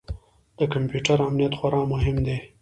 د کمپیوټر امنیت خورا مهم دی.